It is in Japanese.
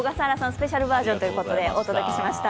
スペシャルバージョンということでお届けしました。